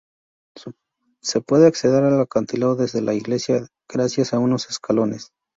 Se puede acceder al acantilado desde la iglesia gracias a unos escalones.